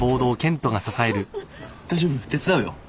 大丈夫？手伝うよ。